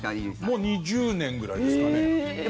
もう２０年ぐらいですかね。